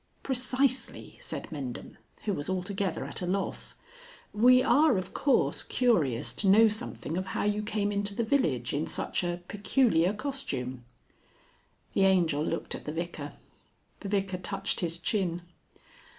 "Precisely," said Mendham, who was altogether at a loss. "We are, of course, curious to know something of how you came into the village in such a peculiar costume." The Angel looked at the Vicar. The Vicar touched his chin.